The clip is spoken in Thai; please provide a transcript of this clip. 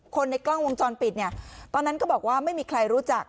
คนในกล้องวงจรปิดเนี่ยตอนนั้นก็บอกว่าไม่มีใครรู้จัก